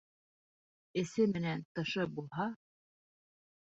Эсе менән тышы булһа